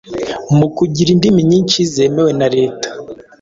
mu kugira indimi nyinshi zemewe na Leta